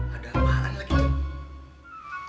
ada apaan lagi tuh